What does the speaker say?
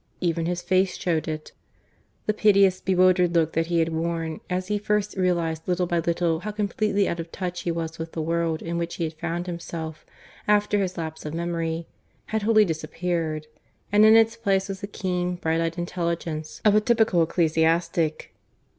Even his face showed it. The piteous, bewildered look that he had worn, as he first realized little by little how completely out of touch he was with the world in which he had found himself after his lapse of memory, had wholly disappeared; and in its place was the keen, bright eyed intelligence of a typical ecclesiastic.